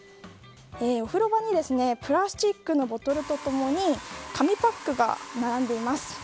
お風呂場にプラスチックのボトルと共に紙パックが並んでいます。